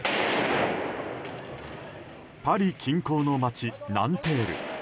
パリ近郊の街、ナンテール。